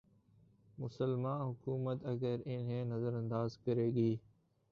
مسلماںحکومت اگر انہیں نظر انداز کرے گی۔